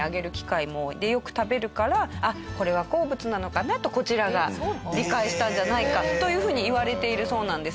よく食べるからあっこれは好物なのかなとこちらが理解したんじゃないかという風にいわれているそうなんです。